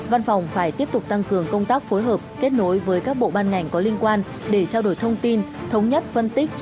văn phòng phải tiếp tục tăng cường công tác phối hợp kết nối với các bộ ban ngành có liên quan để trao đổi thông tin thống nhất phân tích